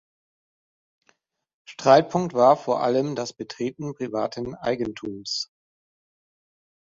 Streitpunkt war vor allem das Betreten privaten Eigentums.